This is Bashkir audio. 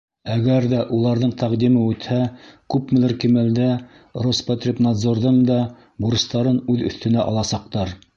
Әгәр ҙә уларҙың тәҡдиме үтһә, күпмелер кимәлдә Роспотребнадзорҙың да бурыстарын үҙ өҫтөнә аласаҡтар.